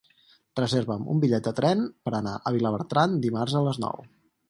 Reserva'm un bitllet de tren per anar a Vilabertran dimarts a les nou.